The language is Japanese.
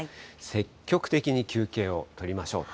積極的に休憩をとりましょう。